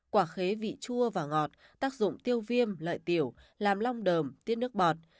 quả khế vị chua và ngọt tác dụng tiêu viêm lợi tiểu làm long đờm tiết nước bọt